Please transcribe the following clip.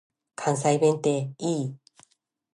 関西弁って良い。